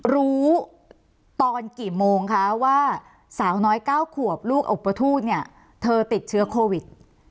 รู้ตอนกี่โมงคะว่าสาวน้อย๙ขวบลูกอุปทูตเนี่ยเธอติดเชื้อโควิด